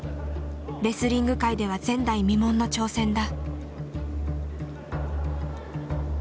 レスリング界では前代未聞の挑戦だ。